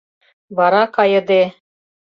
Вара кайыде...